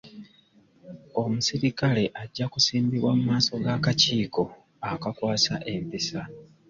Omuserikale ajja kusimbibwa mu maaso g'akakiiko akakwasisa empisa.